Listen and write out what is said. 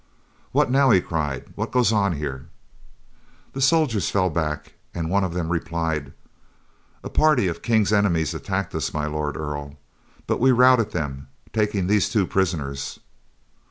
"What now?" he cried. "What goes on here?" The soldiers fell back, and one of them replied: "A party of the King's enemies attacked us, My Lord Earl, but we routed them, taking these two prisoners."